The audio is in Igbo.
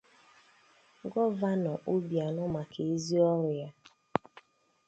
Gọvanọ Obianọ maka ezi ọrụ ya